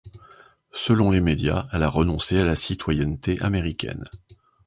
Selon les médias, elle a renoncé à la citoyenneté américaine.